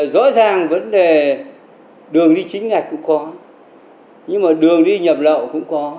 rõ ràng vấn đề đường đi chính ngạch cũng có nhưng đường đi nhập lộ cũng có